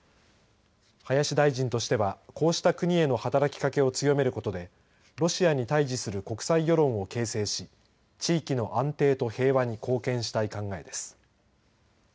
林大臣としては、こうした国への働きかけを強めることでロシアに対じする国際世論を形成し地域の安定と平和に貢献したい考えです。